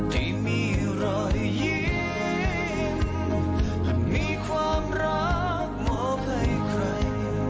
ที่มีรอยยิ้มมีความรักมอบให้ใคร